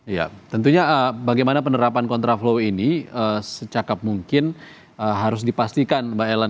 ya tentunya bagaimana penerapan kontraflow ini secakap mungkin harus dipastikan mbak ellen